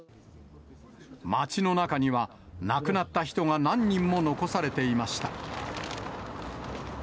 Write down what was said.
街の中には、亡くなった人が何人も残されていました。